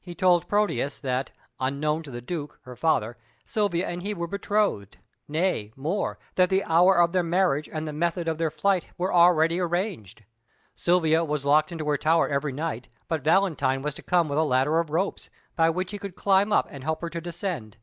He told Proteus that, unknown to the Duke, her father, Silvia and he were betrothed nay, more, that the hour of their marriage and the method of their flight were already arranged. Silvia was locked into her tower every night, but Valentine was to come with a ladder of ropes, by which he could climb up and help her to descend.